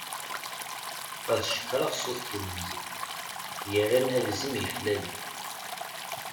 Ad cekreɣ sut twenza, yerran abzim yeflali.